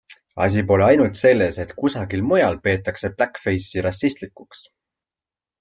Asi pole ainult selles, et kusagil mujal peetakse blackface'i rassistlikuks.